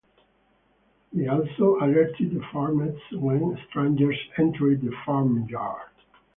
They also alerted the farmers when strangers entered the farmyard.